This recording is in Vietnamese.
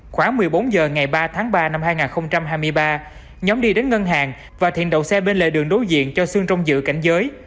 khoảng một mươi bốn h ngày ba tháng ba năm hai nghìn hai mươi ba nhóm đi đến ngân hàng và thiện đậu xe bên lề đường đối diện cho sương trong dự cảnh giới